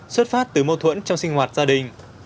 xuất phát từ mâu thuẫn trong sinh hoạt gia đình